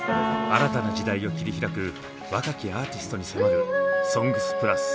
新たな時代を切り開く若きアーティストに迫る「ＳＯＮＧＳ＋ＰＬＵＳ」。